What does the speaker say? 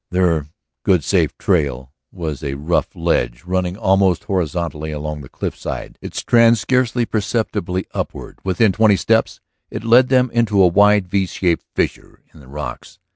Their "good, safe trail" was a rough ledge running almost horizontally along the cliffside, its trend scarcely perceptibly upward. Within twenty steps it led them into a wide, V shaped fissure in the rocks.